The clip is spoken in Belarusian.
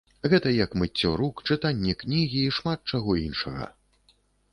Гэта як мыццё рук, чытанне кнігі і шмат чаго іншага.